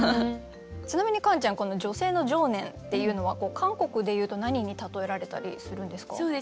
ちなみにカンちゃんこの女性の情念っていうのは韓国でいうと何に例えられたりするんですか？